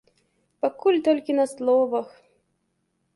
Пакуль толькі на словах.